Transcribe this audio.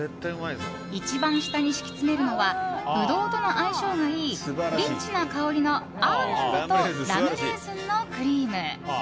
一番下に敷き詰めるのはブドウとの相性がいいリッチな香りのアーモンドとラムレーズンのクリーム。